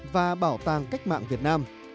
và bảo tàng cách mạng việt nam